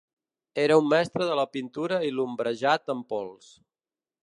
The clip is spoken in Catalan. Era un mestre de la pintura i l'ombrejat amb pols.